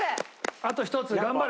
あと一つ頑張れ！